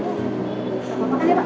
gak apa apa kan ya pak